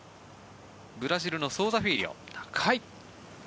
ブラジルのソウザ・フィーリョ。